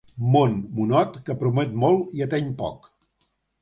Món, monot, que promet molt i ateny poc.